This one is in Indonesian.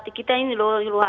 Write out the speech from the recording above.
di bagian kanan di bawah